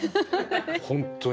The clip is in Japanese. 本当に。